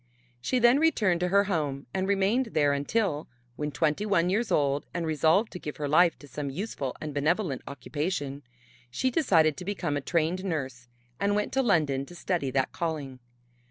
She then returned to her home and remained there until, when twenty one years old and resolved to give her life to some useful and benevolent occupation, she decided to become a trained nurse and went to London to study that calling.